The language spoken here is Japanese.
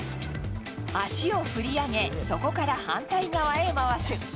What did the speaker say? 足を振り上げ、そこから反対側へ回す。